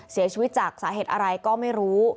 เสียชีวิตจากสาเหตุอะไรก็ไม่รู้